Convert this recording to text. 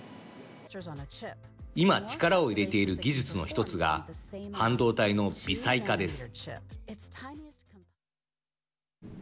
今、力を入れている技術の１つが半導体の微細化です。